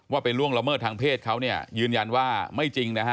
ว่าเป็นล่วงละเมิดทางเพศเขายืนยันว่าไม่จริงนะฮะ